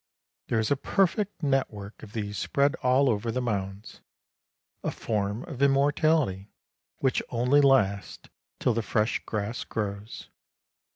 There is a perfect network of these spread all over the mounds. A form of immortality which only lasts till the fresh grass grows.